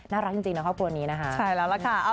น่ารักจริงนะครอบครัวนี้นะคะ